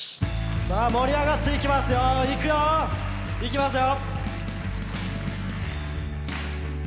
盛り上がっていきますよ、いくよ。いきますよ！